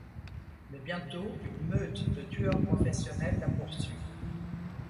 Mais bientôt une meute de tueurs professionnels la poursuit...